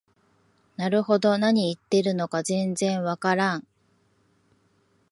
なるほど、何言ってるのか全然わからん